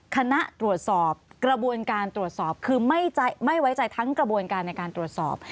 คณะตรวจสอบกระบวนการตรวจสอบคือไม่ไว้ใจทั้งกระบวนการในการตรวจสอบ